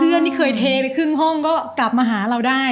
เพื่อนที่เคยเทไปครึ่งห้องก็กลับมาหาเราได้